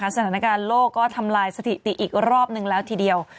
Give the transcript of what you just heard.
สถานการณ์โลกก็ทำลายสถิติอีกรอบนึงแล้วทีเดียว